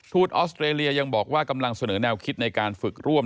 ออสเตรเลียยังบอกว่ากำลังเสนอแนวคิดในการฝึกร่วม